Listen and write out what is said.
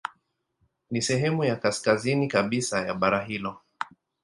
Ni sehemu ya kaskazini kabisa ya bara hilo.